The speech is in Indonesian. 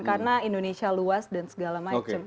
karena indonesia luas dan segala macam gitu